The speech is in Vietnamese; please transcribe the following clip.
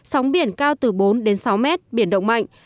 sóng biển cao từ bốn đến sáu mét biển động mạnh